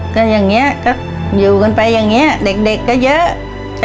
ก็อย่างนี้ก็อยู่กันไปอย่างนี้เด็กก็เยอะ